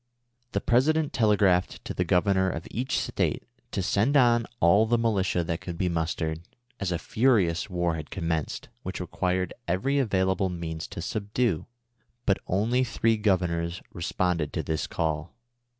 The President telegraphed to the Governor of each State to send on all the militia that could be mustered, as a furious war had commenced, which required every avail al)le means to subdue ; but only three Governors responded to this call.